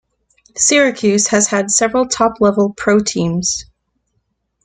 Syracuse has had several top-level pro teams.